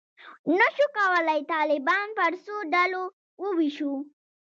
نه شو کولای طالبان پر څو ډلو وویشو.